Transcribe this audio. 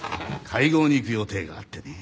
会合に行く予定があってね。